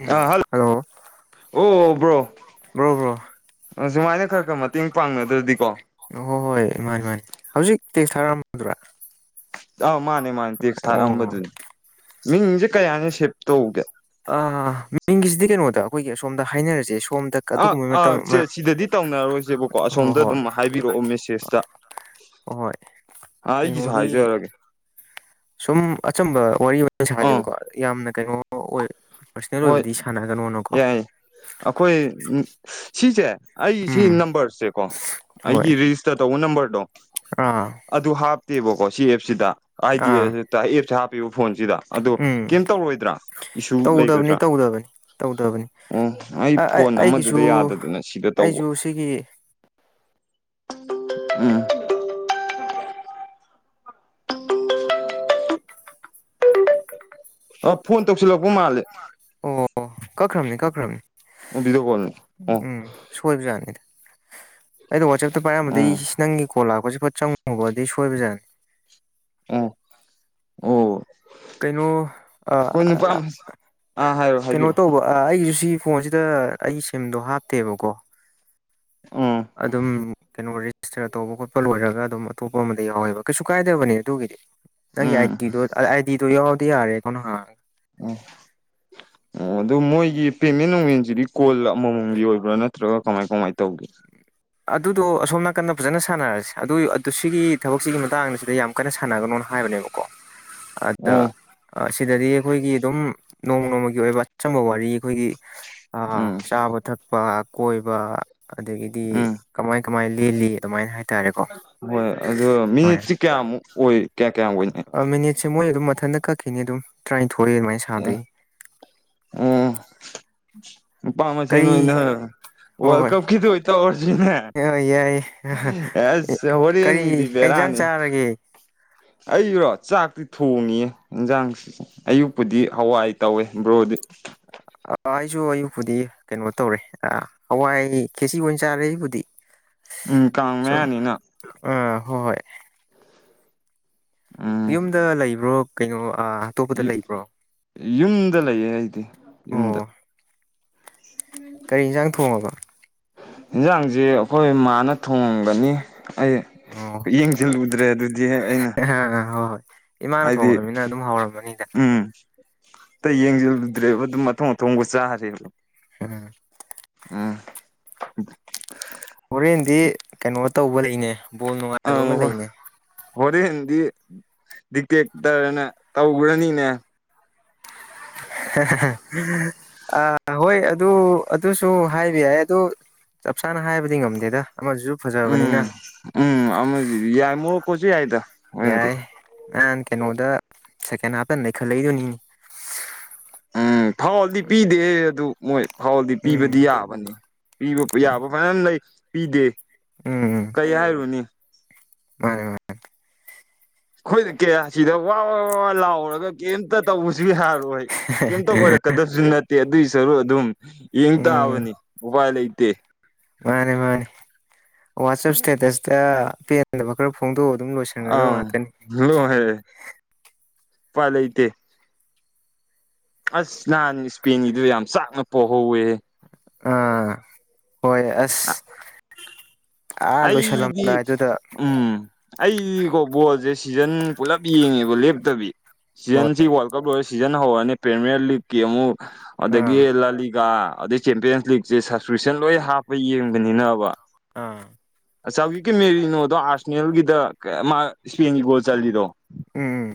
ꯎꯝ ꯀꯥꯍꯜ ꯍꯜꯂꯣ ꯑꯣ bro bro bro ꯑꯖꯨꯃꯥꯏꯅ ꯈꯔ ꯈꯔ ꯃꯇꯦꯡ ꯄꯥꯡꯅꯗ꯭ꯔꯗꯤꯀꯣ ꯍꯣꯏ ꯍꯣꯏ ꯃꯥꯅꯤ ꯃꯥꯅꯤ ꯍꯧꯖꯤꯛꯇꯦꯛ ꯇꯦꯛꯁ ꯊꯥꯔꯛꯑꯝꯕꯗꯨꯔꯥ ꯇꯥꯎ ꯃꯥꯅꯦ ꯃꯥꯅꯦ ꯇꯦꯛꯁ ꯑꯣ ꯊꯥꯔꯛꯑꯝꯕꯗꯨꯅꯤ ꯃꯤꯡꯁꯦ ꯀꯩꯍꯥꯏꯅ ꯁꯦꯞ ꯇꯧꯒꯦ ꯑꯥ ꯃꯤꯡꯒꯤꯁꯤꯗꯤ ꯀꯩꯅꯣꯗ ꯑꯩꯈꯣꯏꯒꯤ ꯑꯁꯣꯝꯗ ꯍꯥꯏꯅꯔꯁꯦ ꯁꯣꯝꯗ ꯑꯥ ꯑꯗꯨꯒꯨꯝꯕ ꯃꯇꯝ ꯑꯥ ꯆꯦ ꯁꯤꯗꯗꯤ ꯇꯧꯅꯔꯔꯣꯏꯁꯦꯕꯀꯣ ꯍꯣꯏ ꯑꯁꯣꯝꯗ ꯍꯣꯏ ꯗꯨꯝ ꯍꯥꯏꯕꯤꯔꯛꯑꯣ ꯃꯦꯁꯦꯖꯇꯥ ꯍꯣꯏ ꯑꯥ ꯑꯩꯒꯤꯁꯨ ꯀꯩꯅꯣꯒꯤ ꯍꯥꯏꯖꯔꯒꯦ ꯁꯨꯝ ꯑꯆꯝꯕ ꯋꯥꯔꯤ ꯑꯣꯏꯅ ꯑꯥ ꯁꯥꯖꯦꯕꯀꯣ ꯌꯥꯝꯅ ꯀꯩꯅꯣ ꯑꯣꯏ ꯄꯔꯥꯁꯅꯦꯜ ꯑꯣꯏꯕꯗꯤ ꯁꯥꯅꯒꯅꯣꯅꯀꯣ ꯑꯈꯣꯏ ꯁꯤꯁꯦ ꯑꯩ ꯁꯤ ꯎꯝ ꯅꯝꯕꯔꯁꯦ ꯀꯣ ꯍꯣꯏ ꯑꯩꯒꯤ ꯔꯤꯖꯤꯁꯇꯔ ꯇꯧꯕ ꯅꯝꯕꯔꯗꯣ ꯑꯥ ꯑꯗꯨ ꯍꯥꯞꯇꯦꯕꯀꯣ ꯁꯤ ꯑꯦꯞꯁꯤꯗ ꯑꯥꯏꯗꯤ ꯑꯥ ꯑꯦꯞꯁꯦ ꯍꯥꯞꯄꯤꯕ ꯐꯣꯟꯁꯤꯗ ꯑꯗꯣ ꯎꯝ ꯀ‌ꯦꯝ ꯇꯧꯔꯣꯏꯗ꯭ꯔꯥ ꯏꯁꯨ ꯂꯩꯒ ꯇꯧꯗꯕꯅꯤ ꯇꯧꯗꯕꯅꯤ ꯇꯧꯗꯕꯅꯤ ꯎꯝ ꯑꯩ ꯐꯣꯟ ꯑꯩꯒꯤꯁꯨ ꯑꯃꯥꯗꯨꯗ ꯌꯥꯗꯗꯅ ꯁꯤꯗ ꯇꯧꯕ ꯑꯩꯁꯨ ꯁꯤꯒꯤ ꯎꯝ ꯑ ꯐꯣꯟ ꯇꯧꯁꯜꯂꯛꯄ ꯃꯥꯂꯦ ꯑꯣ ꯀꯛꯈ꯭ꯔꯝꯅꯤ ꯀꯛꯈ꯭ꯔꯝꯅꯤ ꯑꯥ ꯕꯤꯗꯤꯌ‌ꯣ ꯀ‌ꯣꯜꯅ‌ꯦ ꯎꯝ ꯁꯣꯏꯕꯖꯥꯠꯅꯤꯗ ꯑꯩꯗꯣ ꯋꯥꯆꯦꯞꯇ ꯄꯥꯏꯔꯝꯕꯗꯩ ꯎꯝ ꯎꯝ ꯅꯪꯒꯤ ꯀꯣꯜ ꯂꯥꯛꯄꯖ‌ꯦ ꯐꯠ ꯆꯪꯉꯨꯕ ꯑꯗꯨꯏ ꯁꯣꯏꯕꯖꯥꯅꯤ ꯑꯥ ꯑꯣ ꯀꯩꯅꯣ ꯑꯩꯈꯣꯏ ꯅꯨꯄꯥ ꯑꯥ ꯑꯃ ꯑꯥ ꯍꯥꯏꯔꯣ ꯀꯩꯅꯣ ꯍꯥꯏꯕꯤꯔꯛꯑꯣ ꯇꯧꯕ ꯑꯥ ꯑꯩꯖꯨ ꯁꯤ ꯐꯣꯟꯁꯤꯗ ꯑꯩ ꯁꯤꯝꯗꯣ ꯍꯥꯞꯇꯦꯕꯀꯣ ꯎꯝ ꯑꯗꯨꯝ ꯀꯩꯅꯣ ꯑꯣꯏ ꯔꯦꯁꯇꯔ ꯇꯧꯕ ꯈꯣꯠꯄ ꯂꯣꯏꯔꯒ ꯑꯗꯨꯝ ꯑꯇꯣꯞꯄ ꯑꯃꯥꯗ ꯌꯥꯎꯋꯦꯕ ꯀꯩꯁꯨ ꯀꯥꯏꯗꯕꯅꯦ ꯑꯗꯨꯒꯤꯗꯤ ꯅꯪꯒꯤ ꯎꯝ ꯑꯥꯏꯇꯤꯗꯣ ꯑꯥꯏꯗꯤꯗꯣ ꯌꯥꯎꯔꯗꯤ ꯌꯥꯔꯦ ꯑ‌ꯦꯀꯋꯥꯟ ꯍꯥꯡ [unintelligible] ꯑꯗꯨ ꯃꯣꯏꯒꯤ ꯄꯦꯃꯦꯟ ꯅꯨꯡꯃꯦꯟꯖꯤꯗꯤ ꯀꯣꯜ ꯑꯃꯃꯝꯒꯤ ꯑꯣꯏꯕ꯭ꯔꯥ ꯅꯠꯇ꯭ꯔꯒ ꯀꯃꯥꯏ ꯀꯃꯥꯏ ꯇꯧꯒꯦ ꯑꯗꯨꯗꯣ ꯑꯁꯣꯝ ꯅꯥꯀꯟꯗ ꯐꯖꯅ ꯁꯥꯟꯅꯔꯁꯦ ꯑꯗꯨꯏ ꯑꯗꯨ ꯁꯤꯒꯤ ꯊꯕꯛꯁꯤꯒꯤ ꯃꯇꯥꯡꯁꯤꯗ ꯌꯥꯝ ꯀꯟꯅ ꯁꯥꯅꯒꯅꯣꯅ ꯍꯥꯏꯕꯅꯦꯕꯀꯣ ꯑꯗ ꯑꯣ ꯑꯥ ꯁꯤꯗꯗꯤ ꯑꯩꯈꯣꯏꯒꯤ ꯑꯗꯨꯝ ꯅꯣꯡꯃ ꯅꯣꯡꯃꯒꯤ ꯑꯣꯏꯕ ꯑꯆꯝꯕ ꯋꯥꯔꯤ ꯑꯩꯈꯣꯏꯒꯤ ꯑꯥ ꯎꯝ ꯆꯥꯕ ꯊꯛꯄ ꯀꯣꯏꯕ ꯑꯗꯒꯤꯗꯤ ꯎꯝ ꯀꯃꯥꯏ ꯀꯃꯥꯏ ꯂꯦꯜꯂꯤ ꯑꯗꯨꯃꯥꯏꯟ ꯍꯥꯏ ꯍꯣꯏ ꯑꯗꯨꯣ ꯃꯤꯅꯤꯠꯁꯤ ꯀꯌꯥꯃꯨꯛ ꯑꯣꯏ ꯀꯌꯥ ꯀꯌꯥꯝ ꯑꯣꯏꯅꯤ ꯑꯥ ꯃꯤꯅꯤꯠꯁꯦ ꯃꯣꯏ ꯑꯗꯨꯝ ꯃꯊꯟꯗ ꯀꯛꯈꯤꯅꯤ ꯑꯗꯨꯝ ꯇꯔꯥꯏꯟꯊꯣꯏ ꯑꯗꯨꯃꯥꯏ ꯁ ꯑ‌ꯦ ꯎꯝ ꯅꯨꯄꯥ ꯃꯁ‌ꯦꯟ ꯀꯔꯤ ꯑ‌ꯣꯏꯅ ꯋꯥꯜ ꯍꯣꯏ ꯀꯞ ꯀꯤꯗ‌ꯣ ꯑ‌ꯣꯏ ꯇꯧꯔꯁꯤꯅ‌ꯦ ꯍꯣꯏ ꯌꯥꯏꯌꯦ ꯍꯥꯏꯁ ꯍ‌ꯣꯔ‌ꯦꯟꯒꯤꯗꯤ ꯀꯩ ꯑ‌ꯦꯟꯖꯥꯡ ꯆꯥꯔꯒꯦ ꯑꯩꯔꯣ ꯆꯥꯛꯇꯤ ꯊꯣꯡꯉꯤꯌꯦ ꯏꯟꯖꯥꯡ ꯑꯌꯨꯛꯄꯨꯗꯤ ꯍꯋꯥꯏ ꯇꯧꯋꯦ ꯕ꯭ꯔꯣꯗꯤ ꯑꯥ ꯑꯩꯁꯨ ꯑꯌꯨꯛꯄꯨꯗꯤ ꯀꯩꯅꯣ ꯇꯧꯔꯦ ꯑꯥ ꯍꯋꯥꯏ ꯈꯦꯁꯤ ꯑꯣꯏ ꯆꯥꯔꯦ ꯑꯩꯕꯨꯗꯤ ꯎꯝ ꯀꯥꯡ ꯁꯨꯝ ꯃꯌꯥꯅꯤꯅ ꯑꯥ ꯍꯣꯏ ꯎꯝ ꯌꯨꯝꯗ ꯂꯩꯕ꯭ꯔꯣ ꯀꯩꯅꯣ ꯑꯥ ꯑꯇꯣꯞꯄꯗ ꯂꯩꯕ꯭ꯔꯣ ꯌꯨꯝꯗ ꯂꯩꯌꯦ ꯑꯩꯗꯤ ꯌꯨꯝꯗ ꯀꯩ ꯍꯤꯟꯖꯥꯡ ꯊꯣꯡꯉꯕ ꯏꯟꯖꯥꯡꯖ‌ꯦ ꯑꯈꯣꯏ ꯃꯥꯅ ꯊꯣꯉꯝꯒꯅꯤ ꯑꯩ ꯑꯣ ꯌꯦꯡꯖꯜꯂꯨꯗ꯭ꯔꯦ ꯑꯗꯨꯗꯤ ꯍꯦꯛ ꯑꯩꯅ [unintelligible] ꯍꯣꯏ ꯍꯣꯏ ꯏꯃꯥꯅ ꯍꯥꯏꯗꯤ ꯊꯣꯡꯉꯕꯅꯤꯅ ꯑꯗꯨꯝ ꯍꯥꯎꯔꯝ ꯒꯅꯤꯗ ꯎꯝ ꯇ ꯌꯦꯡꯖꯜꯂꯨꯗ꯭ꯔꯦꯕ ꯑꯗꯨꯝ ꯑꯊꯣꯡ ꯑꯊꯣꯡꯕ ꯆꯥꯔꯦ [unintelligible] ꯎꯝ ꯍꯣꯔꯦꯟꯗꯤ ꯀꯩꯅꯣ ꯇꯧꯕ ꯂꯩꯅꯦ ꯕꯣꯜ ꯅꯨꯡꯉꯥꯏꯕ ꯑꯪ ꯑꯝꯃꯥ ꯍꯣꯏ ꯂꯩꯅꯦ ꯍꯣꯔꯦꯟꯗꯤ ꯗꯤꯛꯇꯦꯛꯇꯔꯅ ꯇꯧꯒ꯭ꯔꯅꯤꯅꯦ ꯑ ꯍꯣꯏ ꯑꯗꯣ ꯑꯗꯨꯁꯨ ꯍꯥꯏꯕ ꯌꯥꯏ ꯑꯗꯨ ꯆꯞ ꯆꯥꯅ ꯍꯥꯏꯕꯗꯤ ꯉꯝꯗꯦꯗ ꯑꯃꯁꯨꯁꯨ ꯐꯖꯕꯅꯤꯅ ꯎꯝ ꯎꯝ ꯑꯃꯖꯤꯖꯨ ꯌꯥ ꯃꯣꯔꯣꯀꯣ ꯖꯨ ꯌꯥꯏꯗ ꯍꯣꯔꯦꯟꯗꯤ ꯌꯥꯏ ꯅꯍꯥꯟ ꯀꯩꯅꯣꯗ ꯁꯦꯀꯦꯟ ꯍꯥꯞꯇ ꯅꯩꯈꯠꯂꯛꯏꯗꯨꯅꯤꯅꯦ ꯎꯝ ꯐꯥꯎꯜꯗꯤ ꯄꯤꯗꯦꯌꯦ ꯑꯗꯨ ꯃꯣꯏ ꯐꯥꯎꯜꯗꯤ ꯎꯝ ꯄꯤꯕꯗꯤ ꯌꯥꯕꯅꯤ ꯄꯤꯕ ꯌꯥꯕ ꯃꯔꯝ ꯂꯩ ꯄꯤꯗꯦ ꯎꯝ ꯎꯝ ꯀꯩ ꯍꯥꯏꯔꯨꯅꯤ ꯃꯥꯅꯦ ꯃꯥꯅꯦ ꯑꯩꯈꯣꯏ ꯀꯌꯥ ꯁꯤꯗ ꯋꯥ ꯋꯥ ꯋꯥ ꯂꯥꯎꯔꯒ ꯀꯩꯝꯇ ꯇꯧꯕꯁꯨ ꯌꯥꯔꯣꯏ ꯀꯩꯝꯇ ꯑꯣꯏꯔꯛꯀꯗꯕꯁꯨ ꯅꯠꯇꯦ ꯑꯗꯨꯏ ꯁꯔꯨꯛ ꯑꯗꯨꯝ ꯌꯦꯡ ꯎꯝ ꯇꯥꯕꯅꯤ ꯎꯄꯥꯏ ꯂꯩꯇꯦ ꯃꯥꯅꯦ ꯃꯥꯅꯦ ꯋꯥꯠꯆꯞ ꯁ꯭ꯇꯦꯇꯁꯇ ꯄꯦ [unintelligible] ꯈꯔ ꯐꯣꯡꯗꯣꯛꯑꯒ ꯑꯗꯨꯝ ꯂꯣꯏꯁꯤꯟꯒ꯭ꯔꯗꯕ ꯉꯥꯛꯇꯅꯤ ꯍꯂꯣ ꯍꯦꯏꯔꯛꯑꯦ ꯎꯄꯥꯏ ꯂꯩꯇꯦ ꯑꯁ ꯅꯍꯥꯟ ꯏꯁꯄꯦꯟꯒꯤꯗꯨ ꯌꯥꯝ ꯆꯥꯛꯅ ꯄꯣꯛꯍꯧꯋꯦ ꯑꯥ ꯍꯣꯏ ꯑꯁ ꯑꯥ ꯑꯩꯗꯤ ꯂꯣꯏꯁꯜꯂꯝꯗꯥꯏꯗꯨꯗ ꯎꯝ ꯑꯩꯗꯤꯀꯣ ꯕꯣꯜꯁꯦ ꯁꯤꯖꯟ ꯄꯨꯂꯞ ꯌꯦꯡꯉꯦꯕ ꯂꯦꯞꯇꯕꯤ ꯍꯣꯏ ꯁꯤꯖꯟꯁꯤ ꯋꯥꯔꯜ ꯀꯞ ꯂꯣꯏꯔꯒ ꯁꯤꯖꯟ ꯍꯧꯔꯅꯤ ꯄ꯭ꯔꯤꯃꯤꯌꯔ ꯂꯤꯒ ꯀꯦꯃꯨ ꯑꯗꯒꯤ ꯑꯥ ꯂꯥꯂꯤꯒꯥ ꯑꯗꯩꯩ ꯆꯦꯝꯄꯤꯌꯟꯁ ꯂꯤꯛꯁꯦ ꯁꯕꯁꯀ꯭ꯔꯤꯞꯁꯟ ꯂꯣꯏ ꯍꯥꯞꯄ ꯌꯦꯡꯕꯅꯤꯅꯕ ꯑꯥ ꯑꯆꯥꯎꯋꯤꯀꯦ ꯃꯦꯔꯤꯅꯣꯗꯣ ꯑꯥꯔꯁꯅꯦꯜꯒꯤꯗ ꯀꯩ ꯃꯥ ꯏꯁꯄꯦꯟꯒꯤ ꯒꯣꯜ ꯆꯜꯂꯤꯗꯣ ꯎꯝꯝ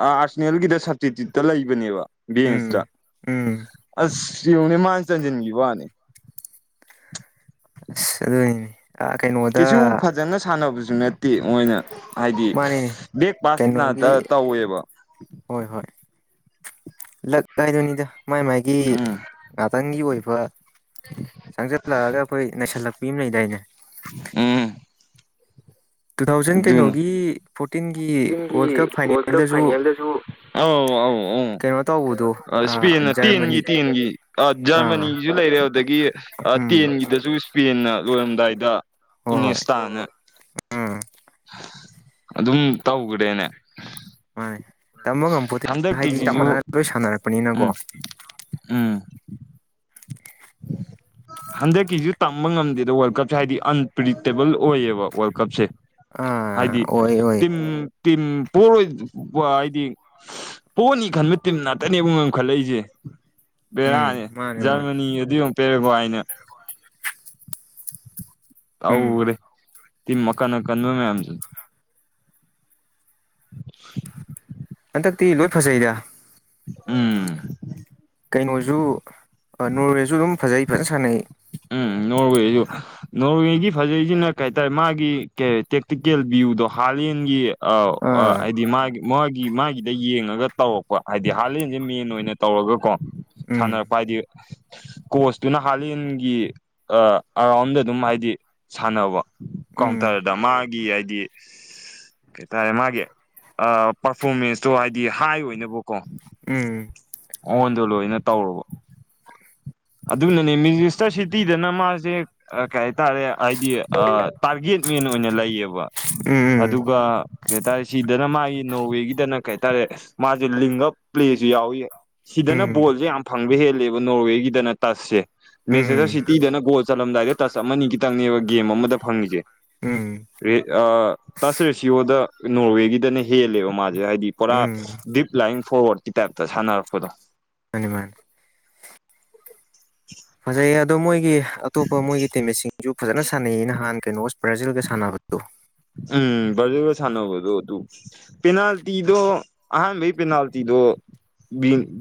ꯑꯥ ꯑꯥꯔꯁꯅꯦꯜꯒꯤꯗ ꯁꯇꯤꯇ꯭ꯌꯨꯠꯇ ꯂꯩꯕꯅꯦꯕ ꯎꯝ ꯕꯦꯟꯁꯇ ꯎꯝ ꯑꯁ ꯌꯦꯡꯉꯨꯅꯦ ꯃꯥꯅ ꯆꯟꯖꯤꯟꯒꯤꯕ ꯋꯥꯅꯦ ꯑꯁ ꯑꯗꯨꯅꯤꯅꯦ ꯑꯥ ꯀꯩꯅꯣꯗ ꯀꯩꯁꯨ ꯐꯖꯅ ꯁꯥꯟꯅꯕꯁꯨ ꯅꯠꯇꯦ ꯃꯣꯏꯅ ꯍꯥꯏꯗꯤ ꯃꯥꯅꯤꯅꯦ ꯕꯦꯛ ꯄꯥꯁ ꯀꯩꯅꯣꯒꯤ ꯉꯇꯥ ꯇꯧꯋꯦꯕ ꯍꯣꯏ ꯍꯣꯏ ꯂꯛꯇ ꯍꯥꯏꯗꯨꯅꯤꯗ ꯃꯥꯏ ꯃꯥꯏꯒꯤ ꯎꯝ ꯉꯥꯇꯪꯒꯤ ꯑꯣꯏꯕ ꯆꯪꯖꯜꯂꯛꯑꯒ ꯑꯩꯈꯣꯏ ꯅꯩꯁꯜꯂꯛꯄꯤ ꯑꯃ ꯂꯩꯗꯥꯏꯅꯦ ꯎꯝ ꯇꯨ ꯊꯥꯎꯖꯟ ꯑꯗꯨꯅ ꯀꯩꯅꯣꯒꯤ ꯐꯣꯔꯇꯤꯟꯒꯤ ꯆꯤꯡꯒꯤ ꯋꯥꯔꯜ ꯀꯞ ꯋꯥꯔꯜ ꯀꯞ ꯐꯥꯏꯅꯦꯜꯗꯁꯨ ꯐꯥꯏꯅꯦꯜꯗꯁꯨ ꯑꯧ ꯑꯧ ꯎꯝ ꯀꯩꯅꯣ ꯇꯧꯕꯗꯣ ꯑꯥ ꯏꯁꯄꯦꯟꯅ ꯇꯦꯟꯒꯤ ꯖꯔꯃꯅꯤ ꯇꯦꯟꯒꯤ ꯑ ꯑꯥ ꯖꯔꯃꯅꯤꯒꯤꯖꯨ ꯂꯩꯔꯦ ꯑꯗꯨꯗꯒꯤ ꯑ ꯎꯝ ꯇꯦꯟꯒꯤꯗꯁꯨ ꯏꯁꯄꯦꯟꯅ ꯂꯣꯏꯔꯝꯗꯥꯏꯗ ꯍꯣ ꯍꯣꯏ ꯏꯅꯦꯁꯇꯥꯅ ꯎꯝ ꯑꯗꯨꯝ ꯇꯧꯒꯔ꯭ꯦꯅꯦ ꯃꯥꯅꯦ ꯇꯝꯕ ꯉꯝꯄꯣꯠꯇꯦ ꯍꯥꯏꯗꯤ ꯆꯞ ꯍꯟꯗꯛꯀꯤꯁꯤꯁꯨ ꯃꯥꯟꯅꯅ ꯂꯣꯏ ꯁꯥꯟꯅꯔꯛꯄꯅꯤꯅꯀꯣ ꯎꯝ ꯎꯝ [inaudible] ꯍꯟꯗꯛꯀꯤꯁꯨ ꯇꯝꯕ ꯉꯝꯗꯦꯗ ꯋꯥꯔꯜ ꯀꯞꯁꯦ ꯍꯥꯏꯗꯤ ꯑꯟꯄ꯭ꯔꯤꯗꯤꯛꯇꯦꯕꯜ ꯑꯣꯏꯌꯦꯕ ꯋꯥꯔꯜꯗ ꯀꯞꯁꯦ ꯑꯥ ꯍꯥꯏꯗꯤ ꯑꯣꯏ ꯑꯣꯏ ꯇꯤꯝ ꯇꯤꯝ ꯄꯣꯔꯣꯏ ꯍꯥꯏꯗꯤ ꯄꯣꯅꯤ ꯈꯟꯕ ꯇꯤꯝ ꯉꯥꯛꯇꯅꯦꯕꯨ ꯉꯝꯈꯠꯂꯛꯏꯁꯦ ꯎꯝ ꯕꯦꯔꯥꯅꯤ ꯃꯥꯅꯦ ꯃꯥꯅꯦ ꯖꯔꯃꯅꯤꯒ ꯑꯗꯨ ꯌꯦꯡꯎ ꯄꯦꯔꯦꯒꯨꯋꯥꯏꯅ ꯎꯝ ꯇꯧꯒ꯭ꯔꯦ ꯇꯤꯝ ꯑꯀꯟ ꯑꯀꯟꯕ ꯃꯌꯥꯝꯁꯦ [unintelligible] ꯍꯟꯗꯛꯇꯤ ꯂꯣꯏ ꯐꯖꯩꯗ ꯎꯝ ꯀꯩꯅꯣꯁꯨ ꯅꯣꯔꯋꯦꯁꯨ ꯑꯗꯨꯝ ꯐꯖꯩ ꯐꯖꯟ ꯁꯥꯟꯅꯩ ꯎꯝ ꯅꯣꯔꯋꯦꯖꯨ ꯅꯣꯔꯋꯦꯒꯤ ꯐꯖꯩꯁꯤꯅ ꯀꯩ ꯍꯥꯏꯇꯥꯔꯦ ꯃꯥꯒꯤ ꯀꯩ ꯇꯦꯛꯇꯤꯀꯦꯜ ꯚꯤꯌꯨꯗꯣ ꯍꯥꯂꯦꯟꯒꯤ ꯑ ꯑꯥ ꯍꯥꯏꯗꯤ ꯃꯥꯒꯤ ꯃꯥꯒꯤ ꯃꯥꯒꯤꯗ ꯌꯦꯡꯉꯒ ꯇꯧꯔꯛꯄ ꯍꯥꯏꯗꯤ ꯍꯥꯂꯦꯟꯁꯦ ꯃꯦꯟ ꯑꯣꯏꯅ ꯇꯧꯔꯒꯀꯣ ꯎꯝ ꯁꯥꯟꯅꯔꯛꯄ ꯍꯥꯏꯗꯤ ꯀꯣꯁꯇꯨꯅ ꯍꯥꯂꯦꯟ ꯒꯤ ꯑꯔꯥꯎꯟꯗ ꯑꯗꯨꯝ ꯍꯥꯏꯗꯤ ꯁꯥꯟꯅꯕ ꯎꯝ ꯀꯥꯎꯟꯇꯔꯗ ꯃꯥ ꯒꯤ ꯍꯥꯏꯗꯤ ꯏꯁ ꯀꯩꯇꯥꯔꯦ ꯃꯥꯒꯤ ꯑ ꯄꯔꯐꯣꯔꯃꯦꯟꯁꯇꯣ ꯍꯥꯏꯗꯤ ꯍꯥꯏ ꯑꯣꯏꯅꯕꯀꯣ ꯎꯝ ꯑꯣꯟ ꯗꯣ ꯂꯣꯏꯅ ꯇꯧꯔꯕ ꯑꯗꯨꯅꯅꯦ ꯃꯤꯖꯤꯁꯇꯔ ꯁꯤꯇꯤꯗꯅ ꯃꯥꯁꯦ ꯑ ꯀꯩ ꯍꯥꯏꯇꯥꯔꯦ ꯍꯥꯏꯗꯤ ꯑ ꯇꯥꯔꯒꯦꯠ ꯃꯦꯟ ꯑꯣꯏꯅ ꯂꯩꯌꯦꯕ ꯎꯝ ꯑꯗꯨꯒ ꯀꯩ ꯍꯥꯏꯇꯥꯔꯦ ꯁꯤꯗꯅ ꯃꯥꯒꯤ ꯅꯣꯔꯋꯦꯒꯤꯗꯅ ꯀꯩ ꯍꯥꯏꯇꯥꯔꯦ ꯃꯥꯁꯦ ꯂꯤꯡ ꯑꯄ꯭ꯂꯦꯁꯨ ꯌꯥꯎꯏ ꯁꯤꯗꯅ ꯎꯝ ꯕꯣꯜꯖꯦ ꯌꯥꯝ ꯐꯪꯕ ꯍꯦꯜꯂꯦꯕ ꯅꯣꯔꯋꯦꯒꯤꯗꯅ ꯇꯁꯁꯦ ꯃꯦꯁꯦꯖꯔ ꯎꯝ ꯁꯤꯇꯤꯗꯅ ꯒꯣꯜ ꯆꯜꯂꯝꯗꯥꯏꯗ ꯇꯁ ꯑꯃꯅꯤ ꯈꯤꯇꯪꯅꯦꯕ ꯒꯦꯝ ꯑꯃꯗ ꯐꯪꯉꯤꯖꯦ ꯎꯝ ꯔꯦ ꯑꯥ ꯇꯁ ꯔꯦꯁꯤꯌꯣꯗ ꯅꯣꯔꯋꯦꯒꯤꯗꯅ ꯍꯦꯜꯂꯦꯕ ꯃꯥꯖꯦ ꯍꯥꯏꯗꯤ ꯄꯨꯔꯥ ꯎꯝ ꯗꯤꯞ ꯂꯥꯏꯟ ꯐꯣꯔꯋꯥꯔꯗꯀꯤ ꯇꯥꯏꯞꯇ ꯁꯥꯟꯅꯔꯛꯄꯗꯣ ꯃꯥꯅꯤ ꯃꯥꯅꯤ [unintelligible] ꯐꯖꯩꯌꯦ ꯑꯗꯣ ꯃꯣꯏꯒꯤ ꯑꯇꯣꯞꯄ ꯃꯣꯏꯒꯤ ꯇꯤꯝꯃꯦꯁꯤꯡꯁꯨ ꯐꯖꯅ ꯁꯥꯟꯅꯩꯌꯦ ꯅꯍꯥꯟ ꯀꯩꯅꯣ ꯕ꯭ꯔꯥꯖꯤꯜꯒ ꯁꯥꯟꯅꯕꯗꯣ ꯎꯝ ꯕ꯭ꯔꯥꯖꯤꯜꯒ ꯁꯥꯟꯅꯕꯗꯣꯗꯨ ꯄꯦꯅꯥꯜꯇꯤꯗꯣ ꯑꯍꯥꯟꯕꯥꯟꯕꯩ ꯄꯦꯅꯥꯜꯇꯤꯗꯣ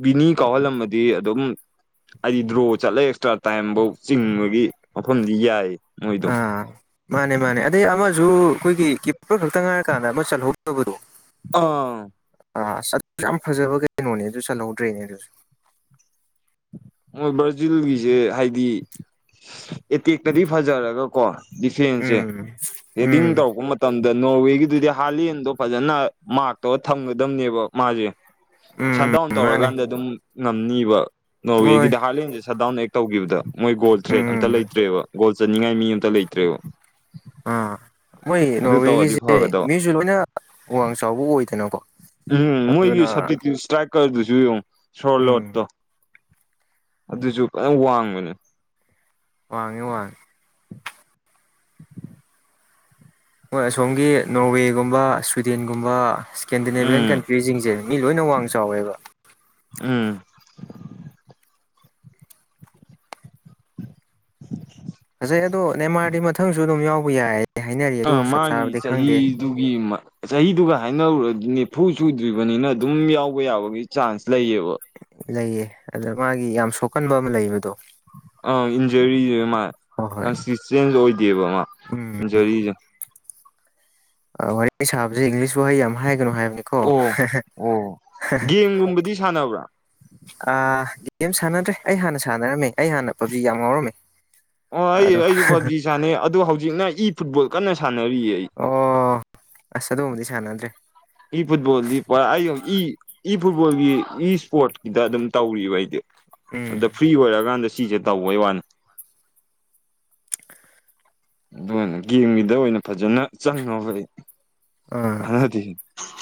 ꯕꯤꯅꯤ ꯀꯥꯎꯍꯜꯂꯝꯃꯗꯤ ꯑꯗꯨꯝ ꯍꯥꯏꯗꯤ ꯗ꯭ꯔꯣ ꯆꯠꯂꯒ ꯑꯦꯛꯁꯇ꯭ꯔꯥ ꯇꯥꯝꯐꯧ ꯆꯤꯡꯕꯒꯤ ꯃꯐꯝꯗꯤ ꯌꯥꯏ ꯃꯣꯏꯗꯣ ꯑꯥ ꯃꯥꯅꯦ ꯃꯥꯅꯦ ꯑꯗꯩ ꯑꯃꯁꯨ ꯑꯩꯈꯣꯏꯒꯤ ꯀꯤꯄꯦꯄꯔ ꯈꯛꯇ ꯉꯥꯏꯔꯀꯥꯟꯗ ꯑꯃ ꯆꯜꯍꯧꯗꯕꯗꯣ ꯑꯥ ꯑ ꯆꯠ ꯌꯥꯝ ꯐꯖꯕ ꯀꯩꯅꯣꯅꯦ ꯑꯗꯨ ꯆꯠꯍꯧꯗ꯭ꯔꯦꯅꯦ ꯑꯗꯨꯁꯨ ꯃꯣꯏ ꯕ꯭ꯔꯥꯖꯤꯜꯒꯤꯁꯦ ꯍꯥꯏꯗꯤ ꯑꯦꯇꯦꯛꯇꯗꯤ ꯐꯖꯔꯒ ꯀꯣ ꯗꯤꯐꯦꯟꯁꯁꯦ ꯎꯝ ꯍꯦꯗꯤꯡ ꯎꯝ ꯇꯧꯔꯛꯄ ꯃꯇꯝ ꯃꯇꯝꯗ ꯅꯣꯔꯋꯦꯒꯤꯗꯨꯗꯤ ꯍꯥꯂꯦꯟꯗꯣ ꯐꯖꯅ ꯃꯥꯔꯛꯇꯧꯔ ꯊꯝꯒꯗꯝꯕꯅꯦꯕ ꯃꯥꯁꯦ ꯁꯠ ꯎꯝ ꯗꯥꯎꯟ ꯃꯥꯅꯦ ꯇꯧꯔꯀꯥꯟꯗ ꯑꯗꯨꯝ ꯉꯝꯅꯤꯕ ꯃꯣꯏ ꯅꯣꯔꯋꯦꯒꯤꯗ ꯍꯥꯔꯂꯦꯟꯁꯦ ꯁꯠꯗꯥꯎꯟ ꯇꯧꯈꯤꯕꯗ ꯃꯣꯏ ꯒꯣꯜ ꯊ꯭ꯔꯦꯠ ꯑꯝꯇ ꯎꯝ ꯂꯩꯇ꯭ꯔꯦꯕ ꯒꯣꯜ ꯆꯅꯤꯡꯉꯥꯏ ꯃꯤ ꯑꯃꯝꯇ ꯂꯩꯇ꯭ꯔꯦꯕ ꯑꯥ ꯃꯣꯏ ꯑꯗꯨ ꯇꯧꯔꯗꯤ ꯅꯣꯔꯋꯦꯒꯤꯁꯦ ꯐꯒꯗꯕ ꯃꯤꯁꯨ ꯂꯣꯏꯅ ꯋꯥꯡ ꯆꯥꯎꯕ ꯑꯣꯏꯗꯅꯀꯣ ꯎꯝ ꯃꯣꯏꯒꯤ ꯑꯗꯨꯅ ꯁꯇꯤꯇꯤ ꯏꯁꯇ꯭ꯔꯥꯏꯀꯔꯗꯨꯁꯨ ꯌꯦꯡꯉꯨ ꯁꯣꯔ ꯎꯝ ꯂꯣꯠꯇꯣ ꯑꯗꯨꯁꯨ ꯐꯖ ꯋꯥꯡꯕꯅꯦ ꯋꯥꯡꯉꯤ ꯋꯥꯡ ꯃꯣꯏ ꯑꯁꯣꯝꯒꯤ ꯅꯣꯔꯋꯦꯒꯨꯝꯕ ꯁ꯭ꯋꯤꯗꯦꯟꯒꯨꯝꯕ ꯏꯁꯀꯦꯟꯗꯤꯅꯦꯕꯤꯌꯥꯟ ꯎꯝ ꯀꯟꯇ꯭ꯔꯤꯁꯤꯡꯁꯦ ꯃꯤ ꯂꯣꯏꯅ ꯋꯥꯡ ꯆꯥꯎꯋꯦꯕ ꯎꯝ [inaudible] ꯐꯁꯩ ꯑꯗꯣ ꯅꯦꯃꯥꯔꯗꯤ ꯃꯊꯪꯁꯨ ꯑꯗꯨꯝ ꯌꯥꯎꯕ ꯌꯥꯏ ꯍꯥꯏꯅꯔꯤ ꯑꯗꯨ ꯆꯞ ꯆꯥꯕꯗꯤ ꯈꯪꯗꯦ ꯑꯗꯨꯒꯤ ꯆꯍꯤꯗꯨꯒ ꯍꯥꯏꯅꯔꯨꯔꯗꯤ ꯅꯤꯐꯨ ꯁꯨꯗ꯭ꯔꯤꯕꯅꯤꯅ ꯑꯗꯨꯝ ꯌꯥꯎꯕ ꯌꯥꯕꯒꯤ ꯆꯥꯟꯁ ꯂꯩꯌꯦꯕ ꯂꯩꯑꯦ ꯑꯗꯨꯗ ꯃꯥꯒꯤ ꯌꯥꯝ ꯁꯣꯛꯀꯟꯕ ꯑꯃ ꯂꯩꯕꯗꯣ ꯑꯥ ꯏꯟꯖꯔꯤꯁꯦ ꯃꯥ ꯍꯣꯏ ꯍꯣꯏ ꯀꯟꯁꯤꯁꯇꯦꯟꯁ ꯑꯣꯏꯗꯦꯕ ꯃꯥ ꯎꯝ ꯏꯟꯖꯔꯤꯁꯦ ꯋꯥꯔꯤ ꯁꯥꯕꯁꯦ ꯏꯪꯂꯤꯁ ꯋꯥꯍꯩ ꯌꯥꯝ ꯍꯥꯏꯒꯅꯨ ꯍꯥꯏꯕꯅꯤ ꯑꯣ ꯑꯣ ꯒꯦꯝꯒꯨꯝꯕꯗꯤ ꯁꯥꯟꯅꯕ꯭ꯔꯥ ꯑ ꯒꯦꯝ ꯁꯥꯟꯅꯗ꯭ꯔꯦ ꯑꯩ ꯍꯥꯟꯅ ꯁꯥꯟꯅꯔꯝꯃꯦ ꯑꯩ ꯍꯥꯟꯅ ꯄꯥꯞꯖꯤ ꯌꯥꯝ ꯉꯥꯎꯔꯝꯃꯦ ꯑꯣ ꯑꯩ ꯑꯗꯣ ꯑꯩꯁꯨ ꯄꯥꯞꯖꯤ ꯁꯥꯟꯅꯩ ꯑꯗꯣ ꯍꯧꯖꯤꯛꯅ ꯏ ꯐꯨꯠꯕꯣꯜ ꯀꯟꯅ ꯁꯥꯟꯅꯔꯤꯌꯦ ꯑꯩ ꯑꯣ ꯑꯁ ꯑꯗꯨꯒꯨꯝꯕꯗꯤ ꯁꯥꯟꯅꯗ꯭ꯔꯦ ꯏ ꯐꯨꯠꯕꯣꯜꯗꯤ ꯄꯨꯔꯥ ꯏ ꯏ ꯐꯨꯠꯕꯣꯜꯒꯤ ꯏ ꯏꯁꯄꯣꯔꯠꯀꯤꯗ ꯑꯗꯨꯝ ꯇꯧꯔꯤꯕ ꯑꯩꯗꯤ ꯑꯗ ꯐ꯭ꯔꯤ ꯑꯣꯏꯔꯀꯥꯟꯗ ꯁꯤꯁꯦ ꯇꯧꯕꯩ ꯋꯥꯅꯤ ꯑꯗꯨꯅ ꯒꯦꯝꯒꯤꯗ ꯑꯣꯏꯅ ꯐꯖꯅ ꯆꯪꯉꯕ ꯑꯩ ꯑꯥ ꯀꯥꯟꯅꯗꯦ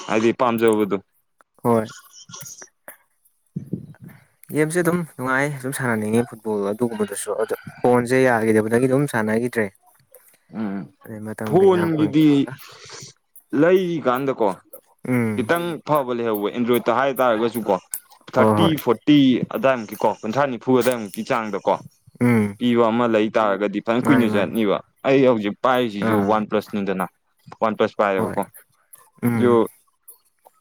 ꯍꯥꯏꯗꯤ ꯄꯥꯝꯖꯕꯗꯨ ꯍꯣꯏ ꯑ [inaudible] ꯒꯦꯝꯁꯦ ꯑꯗꯨꯝ ꯅꯨꯡꯉꯥꯏ ꯑꯗꯨꯝ ꯁꯥꯟꯅꯅꯤꯡꯉꯦ ꯐꯨꯠꯕꯣꯜ ꯑꯗꯨꯒꯨꯝꯕꯗꯨꯁꯨ ꯑꯗꯣ ꯐꯣꯟꯁꯦ ꯌꯥꯈꯤꯗꯕꯗꯒꯤ ꯑꯗꯨꯝ ꯁꯥꯟꯅꯈꯤꯗ꯭ꯔꯦ ꯎꯝ ꯑꯗꯩ ꯃꯇꯝ ꯐꯣꯟ ꯀꯩꯀꯥ ꯒꯤꯗꯤ ꯐꯪꯗꯕꯒ ꯂꯩꯔꯤꯀꯥꯟꯗꯀꯣ ꯎꯝ ꯈꯤꯇꯪ ꯑꯐꯕ ꯂꯩꯍꯧꯕ ꯑꯦꯟꯗ꯭ꯔꯣꯏꯗꯠꯇ ꯍꯥꯏꯇꯥꯔꯒꯁꯨ ꯀꯣ ꯍꯣꯏ ꯊꯥꯔꯇꯤ ꯍꯣꯏ ꯐꯣꯔꯇꯤ ꯄꯤ ꯑꯗꯨꯋꯥꯢꯃꯨꯛꯀꯤꯀꯣ ꯀꯨꯟꯊ꯭ꯔꯥ ꯅꯤꯐꯨ ꯑꯗꯨꯋꯥꯏꯃꯨꯛꯀꯤ ꯆꯥꯡꯗꯀꯣ ꯎꯝ ꯄꯤꯕ ꯑꯃ ꯂꯩ ꯇꯥꯔꯒꯗꯤ ꯐꯅ ꯃꯥꯅꯤ ꯀꯨꯏꯅ ꯃꯥꯅꯤ ꯆꯠꯅꯤꯕ ꯑꯩ ꯍꯧꯖꯤꯛ ꯄꯥꯏꯔꯤꯁꯤꯁꯨ ꯑꯥ ꯋꯥꯟ ꯄꯂꯁꯅꯤꯗꯅ ꯋꯥꯟ ꯄꯂꯁ ꯍꯣꯏ ꯄꯥꯏꯌꯦꯕꯀꯣ ꯑꯗꯨ ꯎꯝ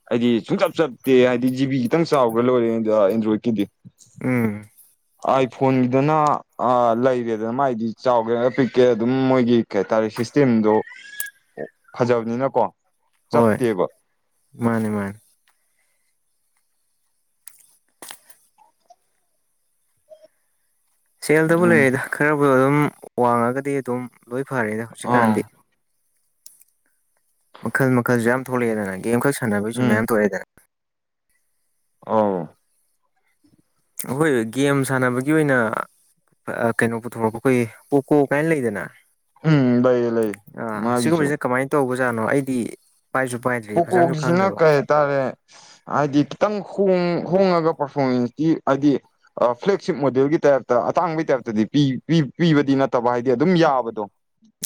ꯍꯥꯏꯗꯤ ꯁꯨꯡꯆꯞ ꯆꯞꯇꯦ ꯍꯥꯏꯗꯤ ꯖꯤꯕꯤ ꯈꯤꯇꯪ ꯆꯥꯎꯈ꯭ꯔ ꯂꯣꯏꯔꯦ ꯑꯦꯟꯗ꯭ꯔꯣꯏꯗꯀꯤꯗꯤ ꯎꯝ ꯑꯩ ꯐꯣꯟꯒꯤꯗꯨꯅ ꯑꯥ ꯂꯩꯔꯦꯗꯅ ꯃꯥꯥꯏꯗꯤ ꯆꯥꯎꯒꯦ ꯄꯤꯛꯀꯦꯔ ꯑꯗꯨꯝ ꯃꯣꯏꯒꯤ ꯀꯩ ꯍꯥꯏꯇꯥꯔꯦ ꯁꯤꯁꯇꯦꯝꯗꯣ ꯑꯣ ꯐꯖꯕꯅꯤꯅꯀꯣ ꯆꯞꯇꯦꯕ ꯃꯥꯅꯦ ꯃꯥꯅꯦ ꯁꯦꯜꯗꯕꯨ ꯑꯗꯨꯅ ꯂꯩꯔꯦꯗ ꯈꯔꯕꯨꯗꯣ ꯑꯗꯨꯝ ꯋꯥꯡꯉꯒꯗꯤ ꯑꯗꯨꯝ ꯂꯣꯏ ꯐꯔꯦꯗ ꯑꯥ ꯍꯧꯖꯤꯛꯀꯥꯟꯗꯤ ꯃꯈꯜ ꯃꯈꯜꯁꯨ ꯌꯥꯝ ꯊꯣꯛꯂꯛꯑꯦꯗꯅ ꯒꯦꯝꯈꯛ ꯁꯥꯟꯅꯕꯒꯤꯁꯨ ꯎꯝ ꯃꯌꯥꯝ ꯊꯣꯛꯂꯛꯑꯦꯗꯅ ꯑꯧ ꯍꯣꯏ ꯒꯦꯝ ꯁꯥꯟꯅꯕꯒꯤ ꯑꯣꯏꯅ ꯀꯩꯅꯣ ꯄꯨꯊꯣꯔꯛꯄ ꯈꯣꯏ ꯄꯣꯀꯣ ꯀꯥꯏꯅ ꯂꯩꯗꯅ ꯎꯝ ꯂꯩꯌꯦ ꯂꯩꯌꯦ ꯑꯥ ꯃꯥꯒꯤꯁꯨ ꯁꯤꯒꯨꯝꯕꯁꯤꯅ ꯀꯃꯥꯏꯅ ꯇꯧꯕꯖꯥꯠꯅꯣ ꯑꯩꯗꯤ ꯄꯥꯏꯁꯨ ꯄꯥꯏꯗ꯭ꯔꯦ ꯐꯖꯅꯁꯨ ꯈꯪꯗꯕ ꯇꯥꯔꯦ ꯍꯥꯏꯗꯤ ꯈꯤꯇꯪ ꯍꯣꯡ-ꯍꯣꯡꯉꯒ ꯄꯔꯐꯣꯔꯃꯦꯟꯁꯇꯤ ꯍꯥꯏꯗꯤ ꯐ꯭ꯂꯦꯛꯁꯤꯞ ꯃꯣꯗꯦꯜꯒꯤ ꯇꯥꯏꯞꯇ ꯑꯇꯥꯡꯕꯒꯤ ꯇꯥꯏꯞꯇꯗꯤ ꯄꯤ ꯄꯤꯕꯗꯤ ꯅꯠꯇꯕ ꯍꯥꯏꯗꯤ ꯑꯗꯨꯝ ꯌꯥꯕꯗꯣ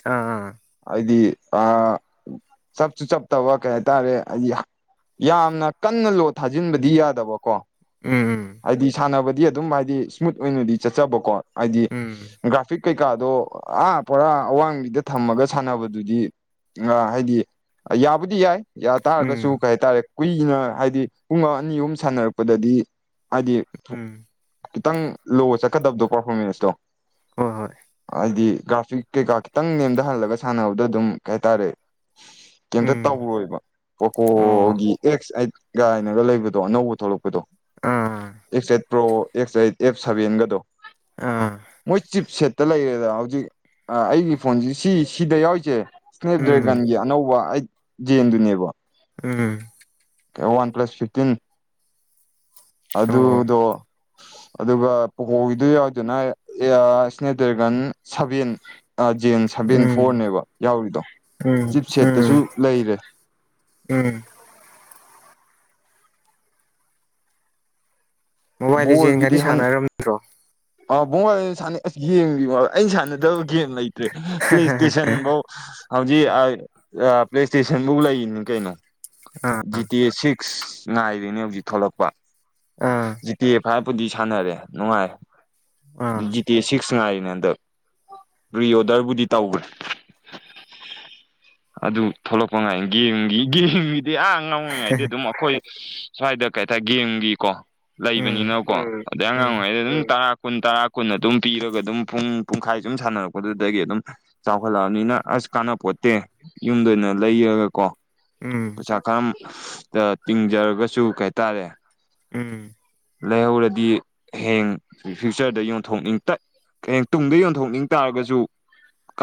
ꯑꯥ ꯑꯥ ꯑꯩꯗꯤ ꯑꯥ ꯆꯞꯁꯨ ꯆꯞ ꯇꯕ ꯀꯩ ꯍꯥꯏꯇꯥꯔꯦ ꯍꯥꯏꯗꯤ ꯌꯥꯝꯅ ꯀꯟꯅ ꯂꯣꯠ ꯊꯥꯖꯤꯟꯕꯗꯤ ꯌꯥꯗꯕꯀꯣ ꯎꯝ ꯍꯥꯏꯗꯤ ꯁꯥꯟꯅꯕꯗꯤ ꯑꯗꯨꯝ ꯍꯥꯏꯗꯤ ꯁ꯭ꯃꯨꯠ ꯑꯣꯏꯅꯗꯤ ꯆꯠꯆꯕꯀꯣ ꯍꯥꯏꯗꯤ ꯎꯝ ꯒ꯭ꯔꯥꯐꯤꯛ ꯀꯩꯀꯥꯗꯣ ꯑꯥ ꯄꯣꯔꯥ ꯑꯋꯥꯡꯕꯤꯗ ꯊꯝꯃꯒ ꯁꯥꯟꯅꯕꯗꯨꯗꯤ ꯑ ꯍꯥꯏꯗꯤ, ꯌꯥꯕꯨꯗꯤ ꯌꯥꯏ ꯌꯥ ꯇꯥꯔꯒꯁꯨ ꯎꯝ ꯀꯩ ꯍꯥꯏꯇꯥꯔꯦ ꯀꯨꯏꯅ ꯍꯥꯏꯗꯤ ꯄꯨꯡ ꯑꯅꯤ ꯑꯍꯨꯝ ꯁꯥꯟꯅꯔꯛꯄꯗꯗꯤ ꯍꯥꯏꯗꯤ ꯎꯝ ꯎꯝ ꯈꯤꯇꯪ ꯂꯣ ꯆꯠꯀꯗꯕꯗꯣ ꯄꯥꯔꯐꯣꯔꯃꯦꯟꯁꯇꯣ ꯍꯣꯏ ꯍꯣꯏ ꯍꯥꯏꯗꯤ ꯒ꯭ꯔꯥꯐꯤꯛ ꯀꯩꯀꯥ ꯈꯤꯇꯪ ꯅꯦꯝꯗꯍꯜꯂꯒ ꯁꯥꯟꯅꯕꯗꯣ ꯑꯗꯨꯝ ꯀꯩ ꯍꯥꯏꯇꯥꯔꯦ ꯀꯩꯝꯇ ꯎꯝ ꯇꯧꯔꯣꯏꯕ ꯑꯣ ꯄꯣꯀꯣꯒꯤ ꯑꯦꯛꯁ ꯑꯩꯠ ꯀꯥꯏꯅꯒ ꯂꯩꯕꯗꯣ ꯑꯅꯧꯕ ꯊꯣꯛꯂꯛꯄꯗꯣ ꯑꯥ X eight pro X eight F ꯁꯚꯦꯟꯒꯗꯣ ꯑꯥ ꯃꯣꯏ ꯆꯤꯞꯁꯦꯠ ꯇ ꯂꯩꯔꯦꯗ ꯍꯧꯖꯤꯛ ꯑꯩꯒꯤ ꯐꯣꯟꯁꯤ ꯁꯤ ꯁꯤꯗ ꯌꯥꯎꯔꯤꯁꯦ ꯁ꯭ꯅꯦꯞ ꯎꯝ ꯗ꯭ꯔꯦꯒꯟꯒꯤ ꯑꯅꯧꯕ ꯑꯩꯠ ꯖꯦꯟꯗꯨꯅꯦꯕꯣ ꯎꯝ ꯋꯥꯟ ꯄ꯭ꯂꯁ ꯐꯤꯐꯇꯤꯟ ꯑꯣ ꯑꯗꯨꯗꯣ ꯑꯗꯨꯒ ꯄꯣꯀꯣꯒꯤꯗꯨ ꯌꯥꯎꯏꯗꯨꯅ ꯏꯑ ꯁ꯭ꯅꯦꯞ ꯗ꯭ꯔꯦꯒꯟ ꯁꯚꯦꯟ ꯑ ꯖꯦꯟ ꯁꯚꯦꯟ ꯎꯝ ꯐꯣꯔꯅꯦꯕ ꯌꯥꯎꯔꯤꯗꯣ ꯎꯝ ꯆꯤꯞ ꯁꯦꯠꯇꯁꯨ ꯎꯝ ꯂꯩꯔꯦ ꯎꯝ ꯃꯣꯕꯥꯏꯜ ꯂꯤꯖꯦꯟ ꯒꯥꯗꯤ ꯁꯥꯟꯅꯔꯝꯗ꯭ꯔꯣ ꯑ ꯕꯨꯉꯣ ꯁꯥꯟꯅꯩ ꯑꯁ ꯒꯦꯝꯒꯤꯕꯣ ꯑꯩꯟ ꯁꯥꯟꯅꯗꯕ ꯒꯦꯝ ꯂꯩꯇ꯭ꯔꯦ ꯄ꯭ꯂꯦ ꯁ꯭ꯇꯦꯁꯟ ꯐꯧ ꯍꯧꯖꯤꯛ ꯑꯩ ꯑ ꯄ꯭ꯂꯦ ꯁ꯭ꯇꯦꯁꯟꯕꯨ ꯂꯩꯅꯤ ꯀꯩꯅꯣ ꯑꯥ ꯖꯤꯇꯤꯑꯦ ꯁꯤꯛꯁ ꯉꯥꯏꯔꯤꯅꯦ ꯍꯧꯖꯤꯛ ꯊꯣꯛꯂꯛꯄ ꯑꯥ ꯖꯤ ꯐꯥꯏꯄꯨꯗꯤ ꯁꯥꯟꯅꯔꯦ ꯅꯨꯡꯉꯥꯏ ꯑꯥ ꯖꯤ ꯇꯦ ꯁꯤꯛꯁ ꯉꯥꯏꯔꯤꯅꯦ ꯍꯟꯗꯛ ꯄ‍꯭ꯔꯤ ꯑꯣꯗꯔꯕꯨꯗꯤ ꯇꯧꯈ꯭ꯔꯦ ꯑꯗꯨ ꯊꯣꯛꯂꯛꯄ ꯉꯥꯏꯟ ꯒꯦꯝꯒꯤ ꯒꯦꯝꯒꯤ ꯑꯥ ꯉꯥꯡ ꯑꯣꯏꯉꯩ ꯑꯗꯨꯝ ꯑꯩꯈꯣꯏ ꯁ꯭ꯋꯥꯏꯗ ꯀꯩ ꯍꯥꯏꯇꯥꯔꯦ ꯒꯦꯝꯒꯤꯀꯣ ꯎꯝ ꯂꯩꯕꯅꯤꯅꯀꯣ ꯑꯗꯩ ꯑꯉꯥꯡ ꯎꯝ ꯑꯣꯏꯉꯩꯗ ꯑꯗꯨꯝ ꯇꯔꯥ ꯀꯨꯟ ꯇꯔꯥ ꯀꯨꯟ ꯑꯗꯨꯝ ꯄꯤꯔꯒ ꯑꯗꯨꯝ ꯄꯨꯡ ꯄꯨꯡꯈꯥꯏ ꯁꯨꯝ ꯁꯥꯟꯅꯔꯛꯄꯗꯨꯗꯒꯤ ꯑꯗꯨꯝ ꯆꯥꯎꯈꯠꯂꯛꯑꯅꯤꯅ ꯑꯁ ꯀꯥꯟꯅꯄꯣꯠꯇꯦ ꯌꯨꯝꯗ ꯑꯣꯏꯅ ꯂꯩꯔꯒ ꯀꯣ ꯎꯝ ꯇꯀꯝ ꯇ ꯇꯤꯡꯖꯔꯒꯁꯨ ꯀꯩꯍꯥꯏꯇꯥꯔꯦ ꯎꯝ ꯂꯩꯍꯧꯔꯗꯤ ꯍꯩꯌꯦꯡ ꯐ꯭ꯌꯨꯆꯔꯗ ꯌꯣꯟꯊꯣꯛꯅꯤꯡꯇꯠ ꯀꯌꯦꯡ ꯇꯨꯡꯗ ꯌꯣꯟꯊꯣꯛꯅꯤꯡ ꯇꯥꯔꯒꯁꯨ ꯀꯥꯟ